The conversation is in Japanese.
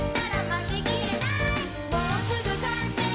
「もうすぐかんせい！